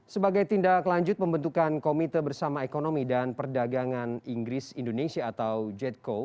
sebagai tindak lanjut pembentukan komite bersama ekonomi dan perdagangan inggris indonesia atau jetko